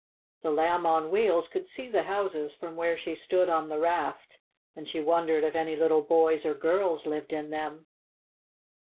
The Lamb on Wheels could see the houses from where she stood on the raft, and she wondered if any little boys or girls lived in them.